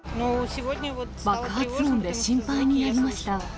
爆発音で心配になりました。